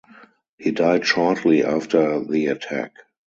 He died shortly after the attack.